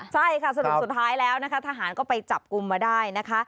ใช่ค่ะสรุปสุดท้ายแล้วนะคะทหารก็ไปจับกลุ่มมาได้นะคะ